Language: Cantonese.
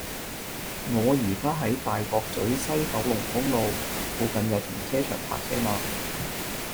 我依家喺大角咀西九龍公路，附近有停車場泊車嗎